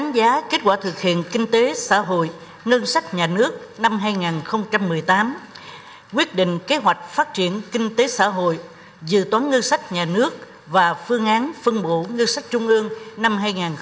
đánh giá kết quả thực hiện kinh tế xã hội ngân sách nhà nước năm hai nghìn một mươi tám quyết định kế hoạch phát triển kinh tế xã hội dự toán ngân sách nhà nước và phương án phân bổ ngân sách trung ương năm hai nghìn hai mươi